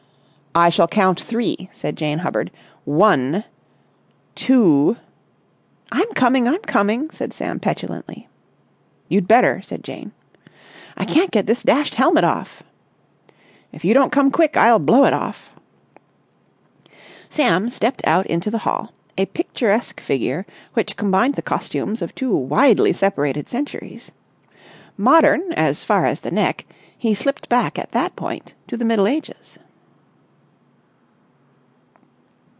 "I shall count three," said Jane Hubbard, "One—two—" "I'm coming! I'm coming!" said Sam petulantly. "You'd better!" said Jane. "I can't get this dashed helmet off!" "If you don't come quick, I'll blow it off." Sam stepped out into the hall, a picturesque figure which combined the costumes of two widely separated centuries. Modern as far as the neck, he slipped back at that point to the Middle Ages.